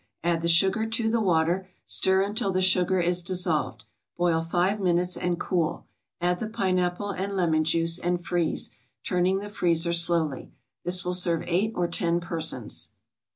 Add the sugar to the water, stir until the sugar is dissolved, boil five minutes and cool; add the pineapple and lemon juice, and freeze, turning the freezer slowly. This will serve eight or ten persons.